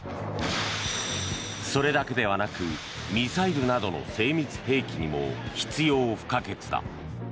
それだけではなくミサイルなどの精密兵器にも必要不可欠だ。